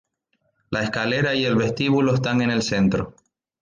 La escalera y el vestíbulo están en el centro.